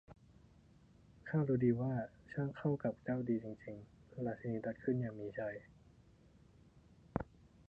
'ข้ารู้ดีว่า ช่างเข้ากันกับเจ้าดีจริง ๆ !' ราชินีตรัสขึ้นอย่างมีชัย